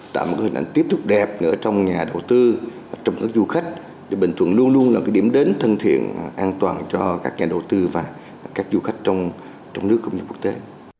tạo một hình ảnh tiếp xúc đẹp nữa trong nhà đầu tư trong các du khách để bình thuận luôn luôn là cái điểm đến thân thiện an toàn cho các nhà đầu tư và các du khách trong nước cũng như quốc tế